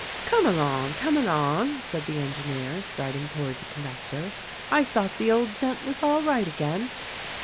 "Come along! Come along!" said the engineer, starting toward trie conductor, "I thought the old gent was all right again."